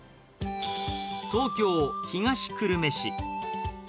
東京・東久留米市。